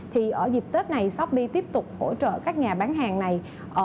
thì ở dịp tết này shopee tiếp tục hỗ trợ các nhà bán hàng này